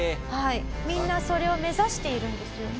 みんなそれを目指しているんですよね？